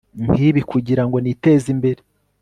nkibi kugirango niteze imbere